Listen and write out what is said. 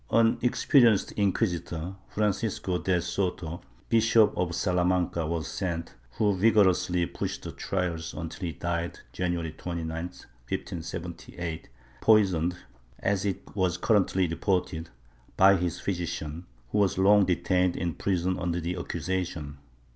An experienced inquisitor, Francisco de Soto, Bishop of Salamanca, was sent, who vigorously pushed the trials until he died, January 29, 1578, poisoned, as it was currently reported, by his physician, who was long detained in prison under the accusation.